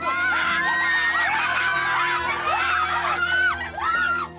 tidak ada setan